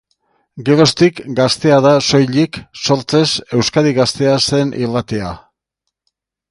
Geroztik, Gaztea da, soilik, sortzez Euskadi Gaztea zen irratia.